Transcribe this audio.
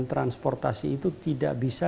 transportasi itu tidak bisa